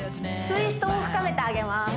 ツイストを深めてあげます